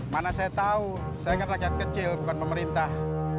mana saya tahu saya kan rakyat kecil bukan pemerintah